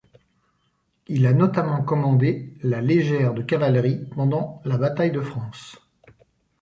Il a notamment commandé la légère de cavalerie pendant la bataille de France.